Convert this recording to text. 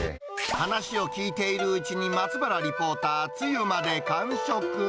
話を聞いているうちに、松原リポーター、つゆまで完食。